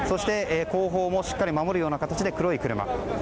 後方もしっかり守るような形で黒い車が。